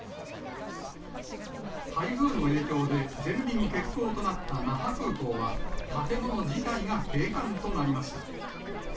台風の影響で全便欠航となった那覇空港は、建物自体が閉館となりました。